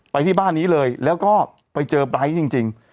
ไปที่บ้านนี้เลยแล้วก็ไปเจอไบร์ทจริง